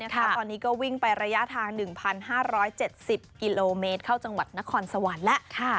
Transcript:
ตอนนี้ก็วิ่งไประยะทาง๑๕๗๐กิโลเมตรเข้าจังหวัดนครสวรรค์แล้ว